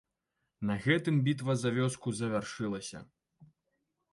На гэтым бітва за вёску завяршылася.